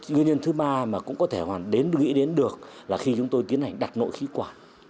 nguyên nhân thứ ba mà cũng có thể nghĩ đến được là khi chúng tôi tiến hành đặt nội khí quản